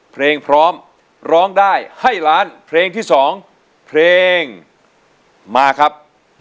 เพลงพร้อมร้องได้ให้ล้านเพลงที่๒เพลงมาครับ